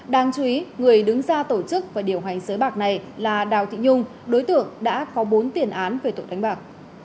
đáng chú ý người đứng ra tổ chức và điều hành sới bạc này là đào thị nhung đối tượng đã có bốn tiền án về tội đánh bạc